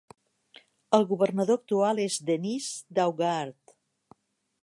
El governador actual és Dennis Daugaard.